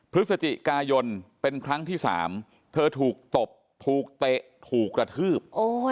พฤศจิกายนเป็นครั้งที่๓เธอถูกตบถูกเตะถูกกระทืบ